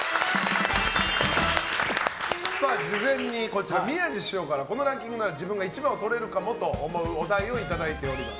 事前に宮治師匠からこのランキングなら自分が１番をとれるかもというお題をいただいています。